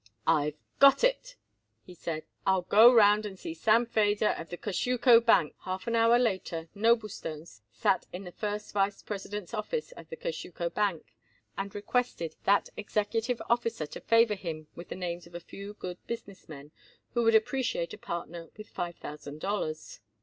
"I got it!" he said. "I'll go around and see Sam Feder of the Kosciusko Bank." Half an hour later Noblestone sat in the first vice president's office at the Kosciusko Bank, and requested that executive officer to favor him with the names of a few good business men, who would appreciate a partner with five thousand dollars.